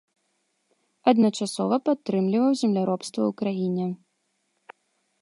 Адначасова падтрымліваў земляробства ў краіне.